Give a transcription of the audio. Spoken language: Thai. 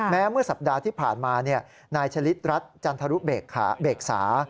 เมื่อสัปดาห์ที่ผ่านมานายชะลิดรัฐจันทรุเบกษา